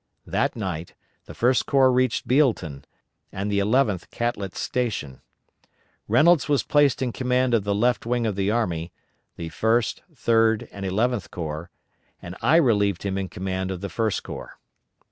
That night the First Corps reached Bealeton, and the Eleventh Catlett's station. Reynolds was placed in command of the left wing of the army (the First, Third, and Eleventh Corps) and I relieved him in command of the First Corps.